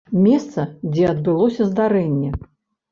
Месца, дзе адбылося здарэнне.